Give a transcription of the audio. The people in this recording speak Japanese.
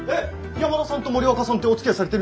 山田さんと森若さんっておつきあいされてるんですか？